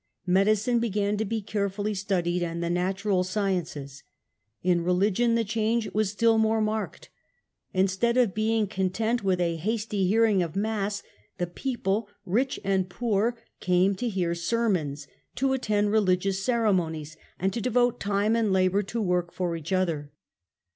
Medicine began to be carefully studied, and the natural sciences. In religion the change was still more marked. Instead of being content with a hasty hearing of mass, the people, rich and poor, came to hear sermons, to attend religious ceremonies, and to devote time and labour to work for each other.